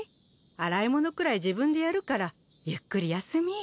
洗い物くらい自分でやるからゆっくり休みぃ。